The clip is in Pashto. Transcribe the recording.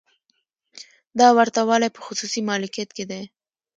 دا ورته والی په خصوصي مالکیت کې دی.